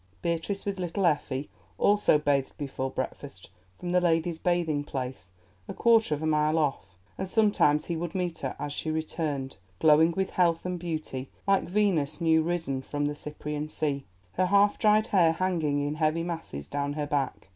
Beatrice with little Effie also bathed before breakfast from the ladies' bathing place, a quarter of a mile off, and sometimes he would meet her as she returned, glowing with health and beauty like Venus new risen from the Cyprian sea, her half dried hair hanging in heavy masses down her back.